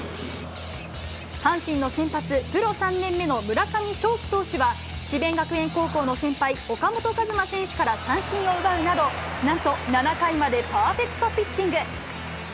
阪神の先発、プロ３年目の村上頌樹投手が智弁学園高校の先輩、岡本和真選手から三振を奪うなど、なんと７回までパーフェクトピッチング。